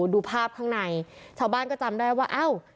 ดูภาพข้างในชาวบ้านก็จำได้ว่าเอ้า